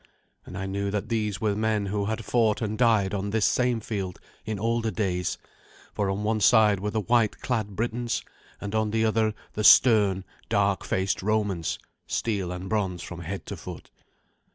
And I knew that these were men who had fought and died on this same field in older days, for on one side were the white clad Britons, and on the other the stern, dark faced Romans, steel and bronze from head to foot.